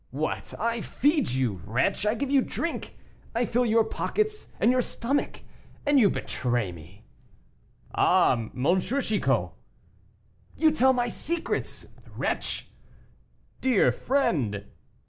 "What! I feed you, wretch, I give you drink, I fill your pockets and your stomach, and you betray me." "Ah! M. Chicot!" "You tell my secrets, wretch." "Dear friend."